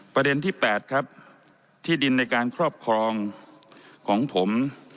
ประเด็นที่๘ครับที่ดินในการครอบครองของผม